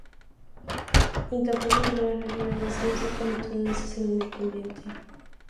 Incapaz de volver a la Liga de Asesinos, se convirtió en un asesino independiente.